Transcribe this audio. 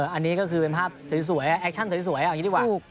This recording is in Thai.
อันนี้ก็คือเป็นภาพสวยแอคชั่นสวยเอาอย่างนี้ดีกว่า